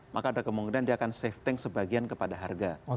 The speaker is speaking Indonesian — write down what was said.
maka ada kemungkinan dia akan safetting sebagian kepada harga